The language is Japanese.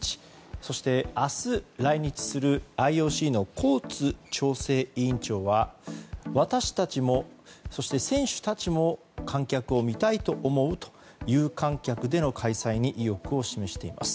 そして、明日来日するＩＯＣのコーツ調整委員長は私たちも、そして選手たちも観客を見たいと思うと有観客での開催に意欲を示しています。